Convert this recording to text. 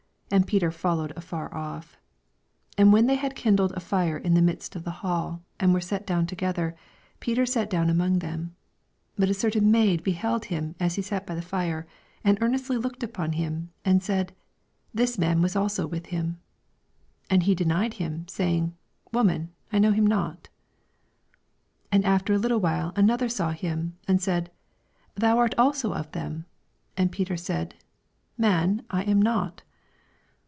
And Peter followed afar off. 55 And when thev had kindled a fire in the midst of the hall, and were set down together, Peter sat down among them. 56 But a certain maid beheld him as he sat by the fire, and earnestly looked upon him, and said, Tliis man was also with him. 57 And he denied him, saying. Woman, I know him not. 58 And after a httle while another saw him, and said. Thou art also of them, and Peter said, Man, I am not.